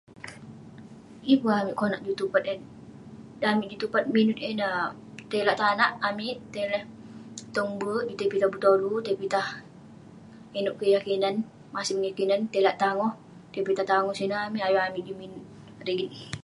Yeng pun konak amik juk tupat eh. Dan amik juk tupat min eh ineh, tai lak tanak amik. Tai tong be'ek, juk tai pitah betolu, tai pitah inouk kek yah kinan. masem yah kinan, tai lak tangoh, tai pitah tangoh sineh amik. ayuk amik juk min rigit.